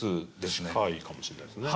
近いかもしれないですね。